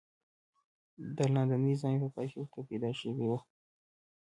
د لاندېنۍ ژامې په پای کې ورته پیدا شوی و.